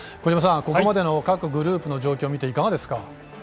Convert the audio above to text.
ここまでの各グループの状況見て、いかがですか？